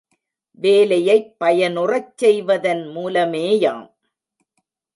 வேலையைப் பயனுறச் செய்வதின் மூலமேயாம்.